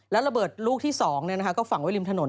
แล้วระเบิดลูกที่๒ก็ฝังไว้ริมถนน